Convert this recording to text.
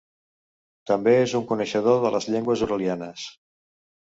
També és un coneixedor de les llengües uralianes.